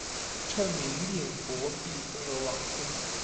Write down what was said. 称名念佛必得往生。